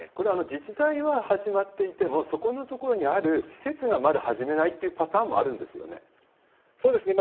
自治体は始まっていても、そこのところにある施設がまだ始めないっていうパターンもあるんそうですね。